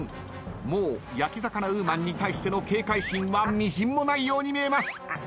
もう焼き魚ウーマンに対しての警戒心はみじんもないように見えます。